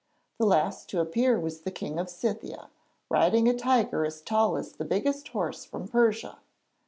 The last to appear was the King of Scythia, riding a tiger as tall as the biggest horse from Persia.